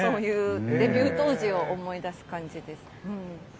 デビュー当時を思い出す感じです。